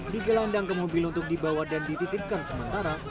digelandang ke mobil untuk dibawa dan dititipkan sementara